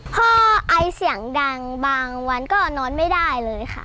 ไอเสียงดังบางวันก็นอนไม่ได้เลยค่ะ